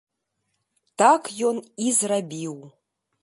Так ён і зрабіў.